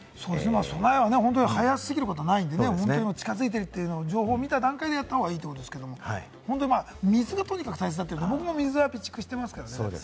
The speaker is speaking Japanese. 備えは早すぎることはないので、近づいてきている情報を見た段階でやった方がいいということですけれども、水は特に大切だったりと、僕も備蓄していたりしますからね。